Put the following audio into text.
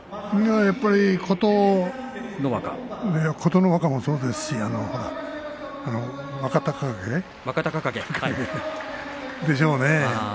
やっぱり琴ノ若もそうですし若隆景でしょうね。